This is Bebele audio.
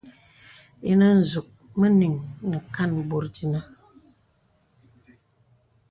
Inə nzūk mə nīŋ nə kān bòt dīnə.